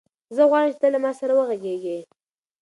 زه غواړم چې ته له ما سره وغږېږې.